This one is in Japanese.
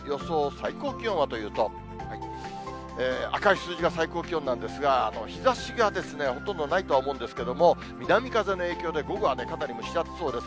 最高気温はというと、赤い数字が最高気温なんですが、日ざしがほとんどないとは思うんですけれども、南風の影響で午後はかなり蒸し暑そうです。